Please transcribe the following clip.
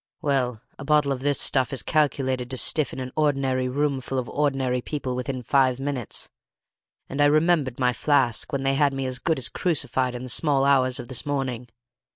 Well, a bottle of this stuff is calculated to stiffen an ordinary roomful of ordinary people within five minutes; and I remembered my flask when they had me as good as crucified in the small hours of this morning.